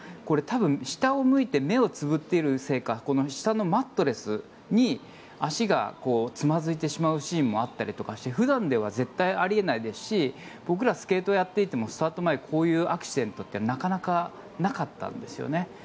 これ、多分下を向いて目をつむっているせいか下のマットレスに足がつまずいてしまうシーンもあったりとかして普段では絶対にあり得ないですし僕らスケートをやっていてもスタート前こういうアクシデントってなかなかなかったんですよね。